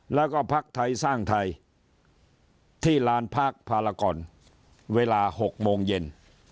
แล้วก็พักไทยสร้างไทยที่ลานพักพารากรเวลา๖โมงเย็น